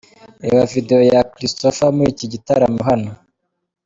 Reba Video ya Christopher muri iki gitaramo hano.